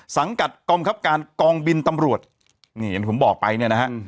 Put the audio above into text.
สังกัดกองคับการกองบินตำรวจนี่อย่างที่ผมบอกไปเนี่ยนะฮะ